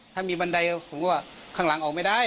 ผมก็เค้าว่าข้างหลังล่ะออกไม่ได้